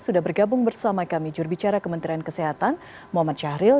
sudah bergabung bersama kami jurubicara kementerian kesehatan muhammad syahril